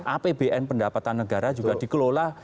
apbn pendapatan negara juga dikelola